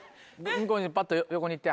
向こうにパッと横に行って。